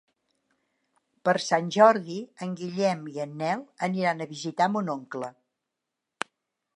Per Sant Jordi en Guillem i en Nel aniran a visitar mon oncle.